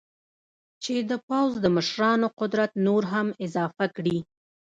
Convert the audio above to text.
چې د پوځ د مشرانو قدرت نور هم اضافه کړي.